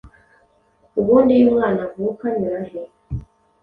Ubundi iyo umwana avuka anyura he?”